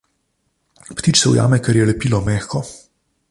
Ptič se ujame, ker je lepilo mehko.